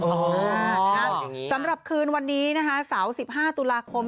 อ๋อค่ะสำหรับคืนวันนี้นะคะสาว๑๕ตุลาคม